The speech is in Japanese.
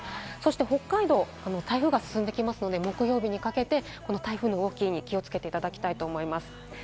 北海道、台風が進んできますので、木曜日にかけて台風の動きに気をつけていただきたいと思います。